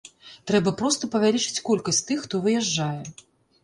Трэба проста павялічыць колькасць тых, хто выязджае.